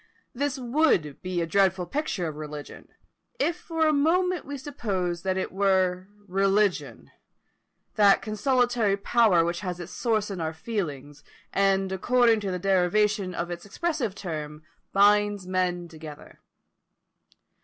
This would be a dreadful picture of religion, if for a moment we supposed that it were religion; that consolatory power which has its source in our feelings, and according to the derivation of its expressive term, binds men together.